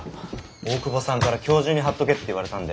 大窪さんから今日中に貼っとけって言われたんで。